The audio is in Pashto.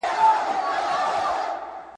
مینه د رنګین بیرغ دي غواړمه په زړه کي ,